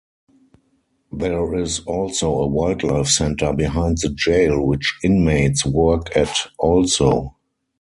There is also a wildlife centre behind the jail which inmates work at also.